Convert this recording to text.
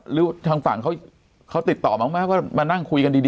หรือทางฝั่งเขาติดต่อมาบ้างไหมว่ามานั่งคุยกันดี